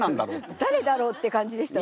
「だれだろう？」って感じでしたわね。